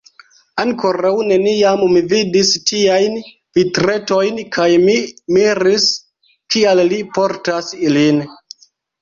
Ankoraŭ neniam mi vidis tiajn vitretojn kaj mi miris, kial li portas ilin.